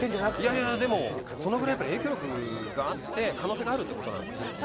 いやいや、それくらい影響力があって可能性があるということなんです。